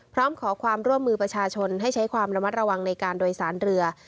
พร้อมขอความร่วมมือประชาชนให้ใช้ความระมัดระวังในการโดยสารเรือ